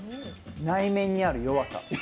内面にある弱さ。